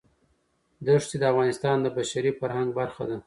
ښتې د افغانستان د بشري فرهنګ برخه ده.